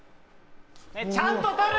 ちゃんと取る！